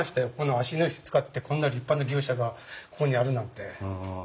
芦野石使ってこんな立派な牛舎がここにあるなんて。